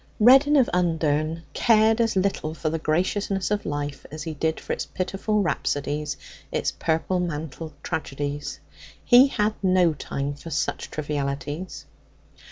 Reddin of Undern cared as little for the graciousness of life as he did for its pitiful rhapsodies, its purple mantled tragedies. He had no time for such trivialities.